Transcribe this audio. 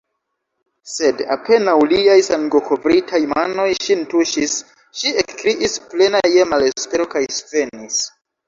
Sed apenaŭ liaj sangokovritaj manoj ŝin tuŝis, ŝi ekkriis, plena je malespero, kaj svenis.